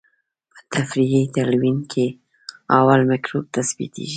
په تفریقي تلوین کې اول مکروب تثبیت کیږي.